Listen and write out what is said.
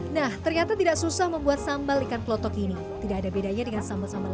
nah ternyata tidak susah membuat sambal ikan pelotok ini tidak ada bedanya dengan sambal sambal